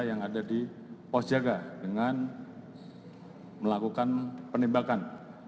yang ada di pos jaga dengan melakukan penembakan